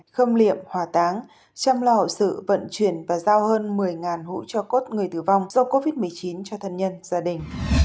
khâm liệm hòa táng chăm lo hậu sự vận chuyển và giao hơn một mươi hụi cho cốt người tử vong do covid một mươi chín cho thân nhân gia đình